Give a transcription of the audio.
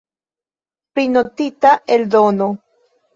Prinotita eldono.